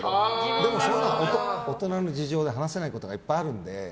それは大人の事情で話せないことがいっぱいあるので。